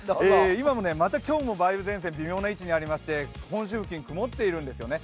また今日も梅雨前線、微妙な位置にありまして本州付近曇っているんですよね。